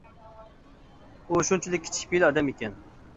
ئۇ شۇنچىلىك كىچىك پېئىل ئادەم ئىكەن.